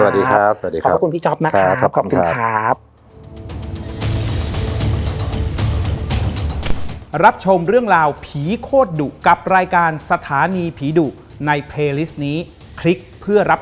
สวัสดีครับขอบคุณพี่จ๊อบนะครับขอบคุณครับ